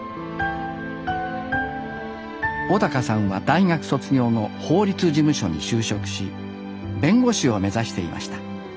小さんは大学卒業後法律事務所に就職し弁護士を目指していました。